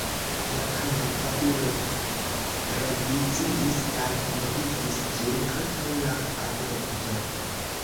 Japanaj fakuloj reviziis kaj modifis ĝin antaŭ la adopto.